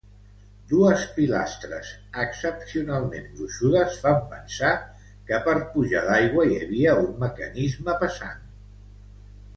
Dues pilastres excepcionalment gruixudes fan pensar que per pujar l'aigua hi havia un mecanisme pesant.